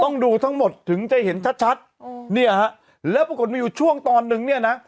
ต้องดูทั้งหมดถึงจะเห็นชัดชัดเนี่ยฮะแล้วปรากฏมีอยู่ช่วงตอนนึงเนี่ยนะ